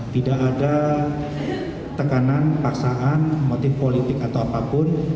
tidak ada tekanan paksaan motif politik atau apapun